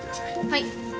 はい。